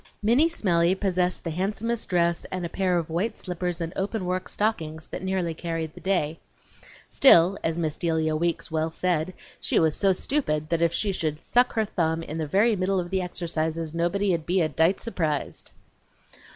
Minnie Smellie possessed the handsomest dress and a pair of white slippers and open work stockings that nearly carried the day. Still, as Miss Delia Weeks well said, she was so stupid that if she should suck her thumb in the very middle of the exercises nobody'd be a dite surprised!